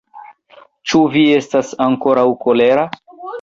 Ĉu vi estas aukoraŭ kolera?